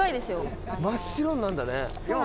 真っ白になるんだね。